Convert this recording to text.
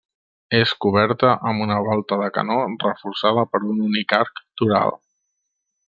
És coberta amb una volta de canó reforçada per un únic arc toral.